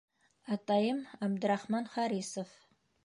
Атайым Абдрахман Харисов...